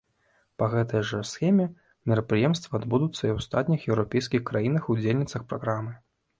Па гэтай жа схеме мерапрыемствы адбудуцца і ў астатніх еўрапейскіх краінах-удзельніцах праграмы.